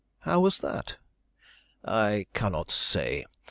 "How was that?" "I cannot say.